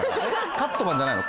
「カットバン」じゃないの。